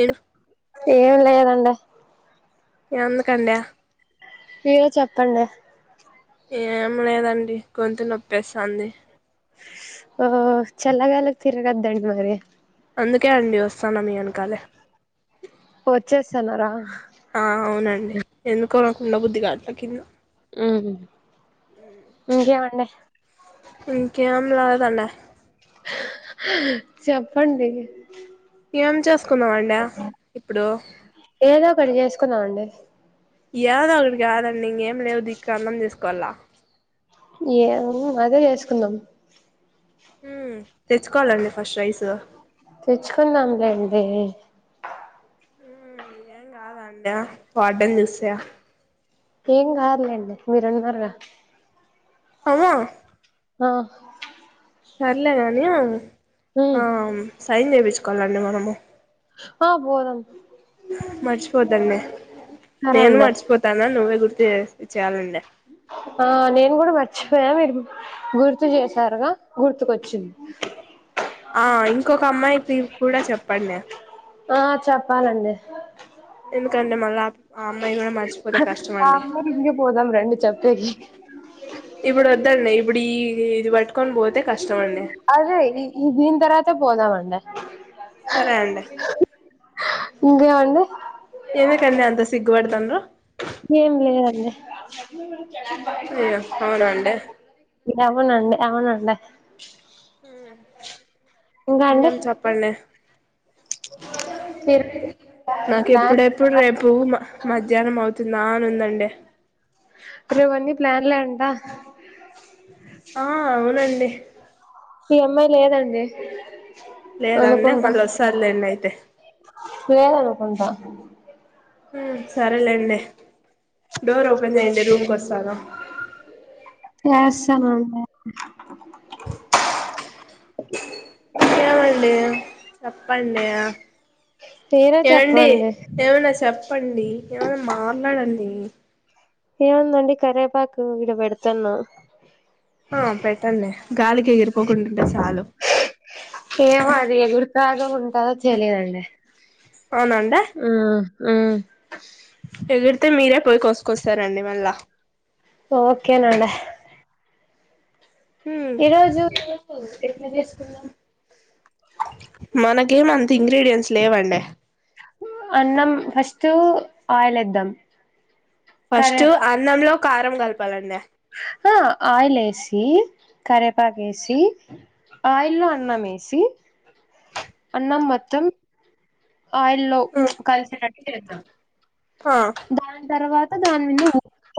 ఏం ఏం లేదండి ఎందుకండి మీరే చెప్పండి ఏం లేదండి గొంతు నొప్పేస్తుంది ఓ ఛల్లా గలికి తిరగదండి మరి అందుకే అండి వస్తాను మీ వెనకాలే వచ్చేస్తానార ఆ అవునండి ఎందుకునకుండా బుద్ధదిగాట్ల కింద ఉమ్ హు ఇంక [unintelligible] చెప్పండి ఏం చేసుకుందమండి ఇప్పుడు పడి చేేసుకున్నాడి ఏదో ఒకడికి కాదండి ఇక ఏం లేవు దికు అన్నం చేసుకోవాల ఏ అదే చేసుకుందాం తెచ్చుకోవాలండి ఫస్ట్ రైస్ తెచ్చుకుందాంలేండి ఎం కాదా అండి వార్డెన్ చూస్తే ఏం కాదులేండి మీరున్నారుగా అదా ఆ సర్లేగాని మ్ టైన్ చెపించుకోవాలండి మనము ఆ పోదం సరే నేను అండి మర్చిపోతాను నువ్వే గుర్తు చెయ్యాలండి ఇ ఆ నేను కూడా మర్చిపోయా మీరు గుర్తు చేసారుగా గుర్తుకొచ్చింది ఆ ఇంకొక అమ్మాయి తిరు కూడా చెప్పండి ఆ చెప్పాలండి ఎందుకంటే మళ్ళా ఆ అమ్మాయి కూడా మర్చిపోతే కష్టం ఆ అండి ఊరింటికి పోదాం రండి చెప్పేకి ఇప్పుడు వద్దండి ఇప్పుడు ఈ ఇది పట్కొన్ పో అదే ఈ దిని తర్వాతనే పోదామండి సరే అండి ఇంకేం అండి ఎందుకండి అంత సిగ్గు పడతాండ్రు ఏం లేదండి అయ్యో అవునా అండి అవునుండి అవునుండి అండి ఇంగేం చెప్పండి మీరు నాకు ప్లాన్ ఎప్పుడెప్పుడు రేపు మా మధ్యాహ్నం అవుతుందా అని ఉందండి రెపన్నీ ప్లాన్లె అంట ఆ అవునండి ఈ అమ్మాయి లేదండి లేద అండి అనుకుంటా మల్ల వస్తాది లేండి అయితే లేదనుకుంటా స సరేలేండి డోర్ దబ ఓపెన్ చేయండి రూమ్కి వస్తాను ఎస్తాన ఉండు మే ఇంకేమండి చెప్పండి మీరే ఏవండి చెప్పండి ఏమనా చెప్పండి ఏమైనా మాట్లాడండి ఏముందండి కరేపాకు ఇడ పెడుతన్నా ఆ పెట్టండి గాలికి ఎగిరిపోకుండ ఉంటే చాలు ఏమో అది ఎగురుతదో ఉంటాదో చేలీదండి అవునండి మ్ మ్ ఎగిరితే మీరే పోయి కోసుకొస్తారండి మళ్ళా ఒకేనండి ఊ మ్ మనకేమంత ఇంగ్రీడియంన్ట్స్ లేవండి అన్నం ఫస్ట్ ఆయిల్ ఎద్దాం కర ఫస్ట్ అన్నంలో కారం కలపాలండి ఆ ఆయిల్ ఏసి కరేపాకేసి ఆయిల్లో అన్నం వేసి అన్నం మొత్తం ఆయిల్లో మ్ కలిసేటట్టు చేయాలి ఆ అ దాని అండి తర్వాత దాని మీద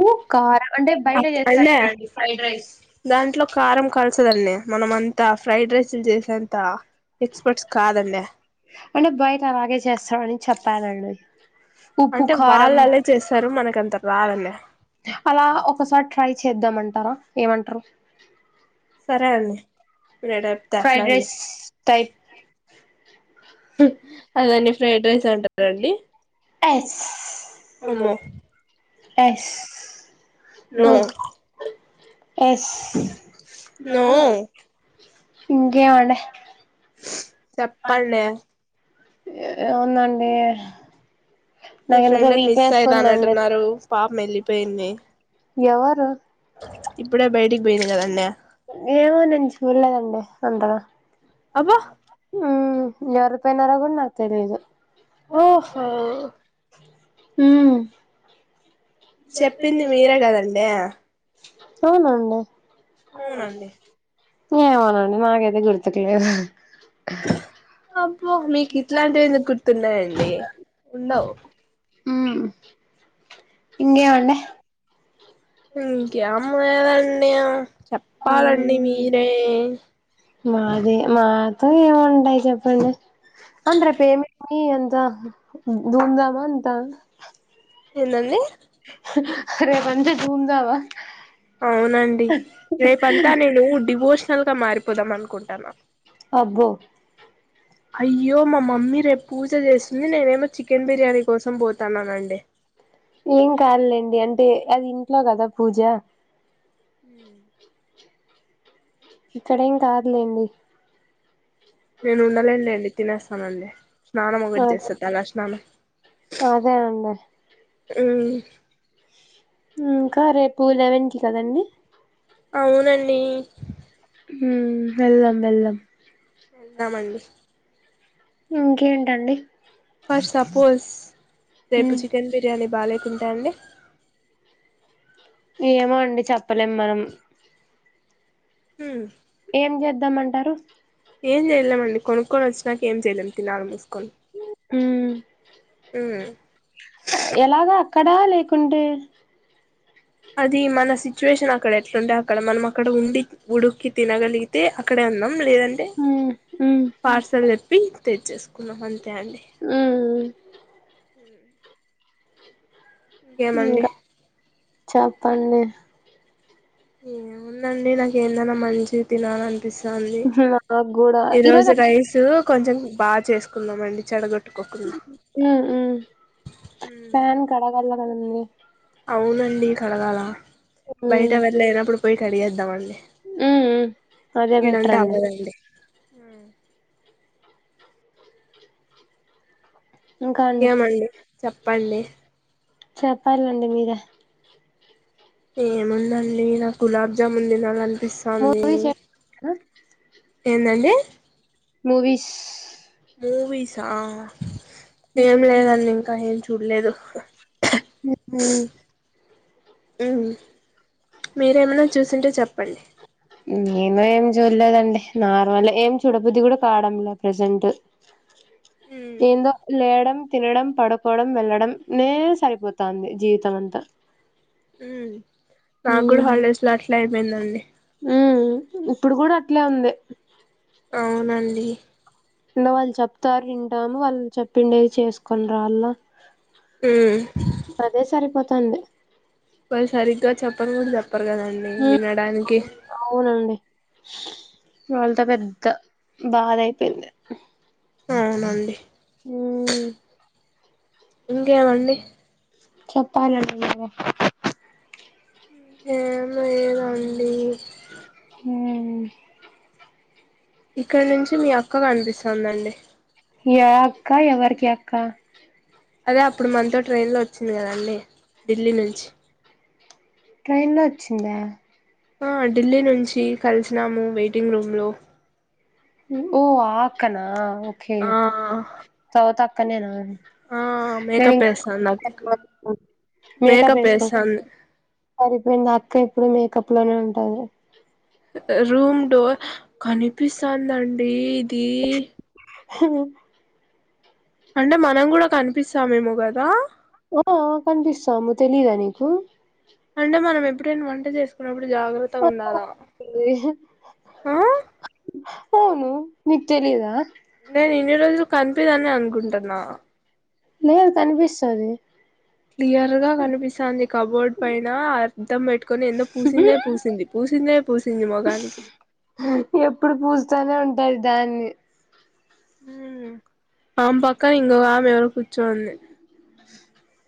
ఉప్పు కారం అంటే బయట చేస్తారు చూడండి దాంట్లో కారం కల్స్ కొన్ని మనంమన్ అంత ఫ్రైడ్ రైస్లు చేసేంత ఎక్స్పర్ట్స్ కాదండి చేస్తానని చెప్పాలండి అంటే వాళ్ళు అలా చేస్తారు మనకంత రాదండి అలా ఒకసారి ట్రై చేద్దామ అంటారా ఏమంటారు సరే అండి మీరేటప్తే అట్లా ఫ్రైడ్ అండి రైస్ టైప్ అదానీ ఫ్రైడ్ రైస్ ఎస్ అమ్మో ఎస్ ఓ నో ఎస్ నో ఇంకే మాంటె చెప్పండి ఉంది అండి మీ ఫ్రెండ్నీ మిస్ అయిదా అని అంటున్నారు పాపం వెళ్ళిపోయింది ఎవరు ఇప్పుడే బయటికి పోయింది కదండి ఏమో నేన్ చూళ్ళేదండీ అంతగా అబ్బా ఉ [inaudible] నాకు తెలీదు ఓహో హూ చెప్పింది మీరే కదండి అవునండి అవునండి ఏమోనండి నాకైతే గుర్తుకు లేదు అబ్బో మీకు ఇట్లాంటిఎందుకు గుర్తున్నాయండి ఉండవు ఉ ఇంగేమండి ఇక అమ్మ [unintelligible] చెప్పాలండి మ్మ్ మీరే ఏమింటాయి చెప్పండి అంట రేపూ [unintelligible] ధూంధామా అంత ఎందేంది రేప్ మంచిగా ధూందామా అవునండి రేపంతా నేను డివోషనల్ గా మారిపోదాం అనుకుంటాన అబ్బో అయ్యో మా మమ్మీ రేపు పూజ చేస్తుంది నేనేమో చికెన్ బిర్యానీ కోసం పోతన్నానండి ఏం కాదులెండి అంటే అది ఇంట్లో కదా పూజ హ ఇక్కడేం కాదులేండి నేను ఉండలేనులేండి తినేస్తానండి స్నానం ఒకటి అదే చేస్త తలా స్నానం అదే అండి ఊ ఇంకా రేపు లెవెన్ కి కదండి అవునండి హూ వెళ్దాం వెళ్దాం ఎల్డమండి ఇంకేంటండి ఫర్ట్ సపోజ్ రేపు మ్మ్ చికెన్ బిర్యానీ బాగాలేేకుంటె అండి ఏమో అండి చెప్పలేం మనం హ ఏం చేద్దామ అంటారు ఏం చేయలేమండి కొనుక్కొని వచ్చినాక ఏం చేయలేం తినాలి మూసుకొని ఉ ఎలాగ అక్కడా లేకుంటె అది మన సిచ్యువేషన్ అక్కడ ఎట్లుంటే అక్కడ మనం అక్కడ ఉండి ఉడుక్కి తినగలిగితే అక్కడే ఉందాం లేదంటే మ్మ్ మ్మ్ పార్సల్ చేప్పి తెచ్చేసు కునఫ అంతే అండి మ్మ్ ఇకేమండి అన్ని ఏం ఉందండి నాకేందైనా మంచి తినాలి అనిపిస్తుంది దంది నాకు కూడా ఈ ఈరోజు రోజు అట్లా రైస్ కొంచెం బా చేసుకున్నామండి చెడగొట్ ఉహ్మ్మ్ ఫ్యాన్ కడగాలకదండీ అవునండి కడగాల బయట ఎవరులేనప్పుడు పోయి కడిగేద్దామఅండి ఉ ఉ అదే బెటర్ అండి హుమ్మ్ ఇంకా అండి ఇంకేమండి చెప్పండి చెప్పాలండి మీరే ఏముందండి నాకు గులాబ్ జామున్ తినాలనీ పిస్తుాంది మూవీస్ ఏందండి మూవిీస్ మూవీసా ఏం లేదండి ఉహు ఇంకా ఏం చూడలేదు హూ మీరేమైనా చూసింటే చెప్పండి నేను ఏం చూడలేదండి నార్మల్ ఏం చూడబుద్ది కూడా కావడం లే ప్రసెంట్ ఏందో లేయడం తినడం పడుకోవడం వెళ్లడం నే సరిపోతుంది జీవితం అంతా ఉ ఉ నాకు కూడా హాలిడేస్ లో అట్లా అయిపోయిందండి ఉ ఇప్పుడు కూడా అట్లే ఉంది అవునండి నువు అది చెప్తారు వింటాము వాళ్ళు చెప్పిండేది చేసుకొని రాళ్ళ హ్మ్మ్ తందే వాళు సరిగ్గా చెప్పను కూడా చెప్పరు కదండి ఉమ్ వినడానికి అవునండి వాళ్ళతో పెద్ద బాధ అయిపోయింది అవునండి హ్మ్మ్ ఇంకేమండి చెప్పలండి మీరే ఏం లేదండి అ ఇక్కడ నుంచి మీ అక్క కనిపిస్తుందండి ఏ అక్క ఎవరికి అక్క అదే అప్పుడు మనతో ట్రైన్లో వచ్చింది కదండి ఢిల్లీ నుంచి ట్రైన్ లో వచ్చిందా ఆ ఢిల్లీ నుంచి కలిసినాము వెయిటింగ్ రూమ్ లో ఓ ఆ అక్కనా ఓకే ఆ సౌత అక్కనేనా ఆ నను మేకప్ వేస్తాంది నాకు మకా మేకప్ వేసుకో సరిపోయింది అక్క ఏప్పుడు మేకప్ లోనే ఉంటది రూమ్ డోర్ కనిపిస్తుందండి ఇది హ అంటే మనం కూడా కనిపిస్తామేమో కదా ఆ కనిపిస్తాము తెలీదా నీకు అంటే మనం ఎప్పుడైనా వంట చేసుకున్నప్పుడు జాగ్రత్త ఉండలా అరే! ఆ అవును నికు తెలిదా నేను ఇన్ని రోజులు కనిపిదని అనుకుంటున్నా లేదు కనిపిసాది క్లియర్ గా కనిపిసంది కబోర్డ్ పైన అర్ధం పెట్టుకొని ఎంత పూసిందే పూసింది పూసి పుసిందే పుసింది మొగానికి ఎప్పుడు పూస్తానే ఉంటది దాన్ని ఉమ్ ఆమ్ పక్కన ఇంకో ఆమె ఎవరో కూర్చొంది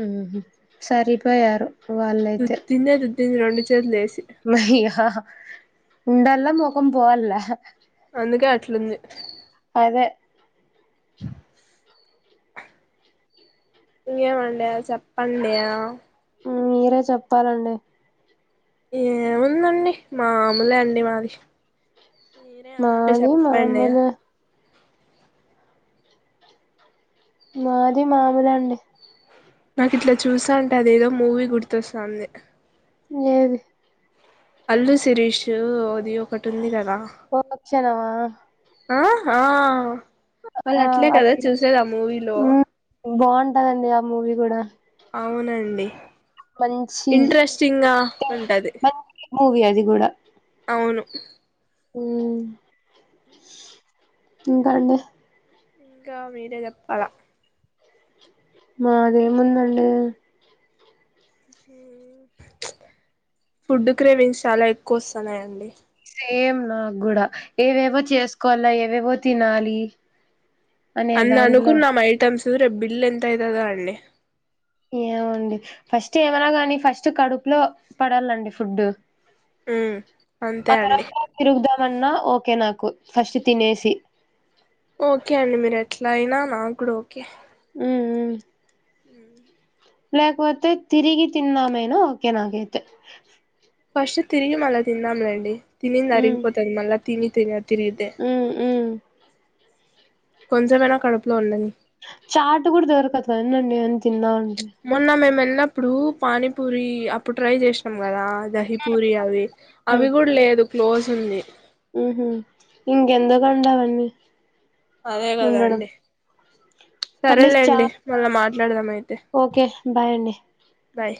ఉహుహు సరిపోయారు వాళ్ళైతే దుద్దిందే దుద్దింది రెండు చేతులు వేసి మయ్య ఉదళ్ళ మోఖం పోవాళ్ళ అందుకే అట్లుంది అదే ఇంకేమండే చెప్పండే మీరే చెప్తారండే ఏముందండి మాముూలే అండి మాది మీరే ఏమైనా ఉంటే మాది చెప్పండే మామూలే మాది మామూలే అండి నాకు ఇట్లా చూసాన్టే అదేదో మూవీ గుర్తొస్తాంది ఏది అల్ శిరీష్ ఓది ఒకటి ఉంది కదా ఒక్కక్షణమా ఆ ఆ వాళ్ళు ఆ అట్లే కదా అది చూసేది ఆ మూవీలో మ్ బాగుంటదండి ఆ మూవీ కూడా అవునండి మంచి ఇంట్రెస్టింగ్ గా ఉంటది మంచి మూవీ అది గూడా అవును ఉమ్ ఇంకా అండి ఇంకా మీరే చెప్పాలా మదేముందండి ఉమ్ ఫుడ్ క్రైవింగ్స్ చాలా ఎక్కువ వస్తున్నాయండి సేమ్ నాకు కూడా ఏవేవో చేసుకోవాల ఏవేవో తినాలి అనే అన్న దాంట్లో అనుకున్నాం ఐటమ్స్సు బిల్ ఎంత అవుతాదొ అండి ఏమోండి ఫస్ట్ ఏమనా గాని ఫస్ట్ కడుపులో పడల్లండి ఫుడ్డు ఉమ్ అంతే ఆ అండి [unintelligible] తిగుదమన్న ఓ ఓకే నాకు ఫస్ట్ తినేసి ఓకే అండి మీరు ఎట్లా అయినా నాకు కూడా ఓకే ఉమ్ ఉమ్ ఉమ్ లేకపోతే తిరిగి తిందాం అయినా ఓకే నాకైతే ఫస్ట్ తిరిగి మళ్ళీ తిందంలేండి తినింది అరిగిపోతుంది మళ్ళ తిని తినది ఉమ్ ఉమ్ కొంచెమైనా కడుపులో ఉన్నింద్ చాట్ కూడా దొరకత్ అందండి ఆన్ మొన్న మేము వెళ్ళినప్పుడు పానీపూరి అప్పుడు ట్రై చేసినాం కదా దహిపూరి అవి అవి కూడా లేదు క్లోజ్ ఉంది ఉహు ఇంకెందుకండి అవ్వన్నీ అదే కదా అండి అట్లీస్ట్ సరేలేండి చాట్ మళ్ళా మాట్లాడదాం అయిత్ ఓకే బాయ్ అండి బాయ్